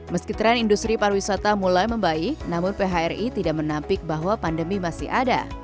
meski tren industri pariwisata mulai membaik namun phri tidak menampik bahwa pandemi masih ada